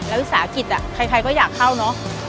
แล้ววิสาหกิจใครก็อยากเข้าเนอะ